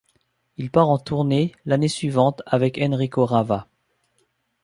Il part en tournée l'année suivante avec Enrico Rava.